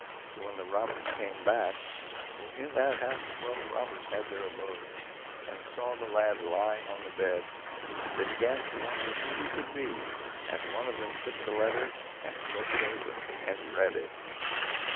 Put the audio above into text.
So when the robbers came back—for in that house twelve robbers had their abode—and saw the lad lying on the bed, they began to wonder who he could be, and one of them took the letter and broke it open, and read it.